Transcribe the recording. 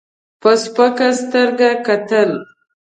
په سپکه سترګه کتل.